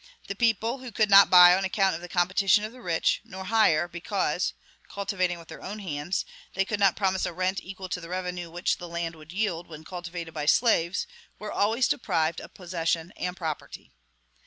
The people, who could not buy, on account of the competition of the rich, nor hire, because cultivating with their own hands they could not promise a rent equal to the revenue which the land would yield when cultivated by slaves, were always deprived of possession and property.